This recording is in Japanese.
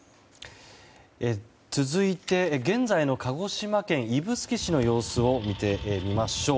続いて現在の鹿児島県指宿市の様子を見てみましょう。